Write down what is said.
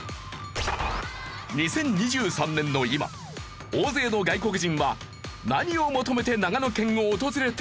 ２０２３年の今大勢の外国人は何を求めて長野県を訪れているのか？